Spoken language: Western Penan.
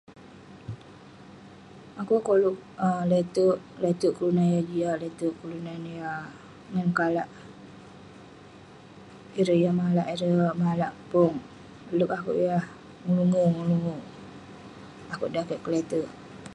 Akouk koluk [um].le'terk, le'terk kelunan yau jiak..le'terk kelunan yah ngan kalak..ireh yah malak, ireh malak pong..lerk akouk yah ngelungo ngelungo..akouk dan keik kle'terk..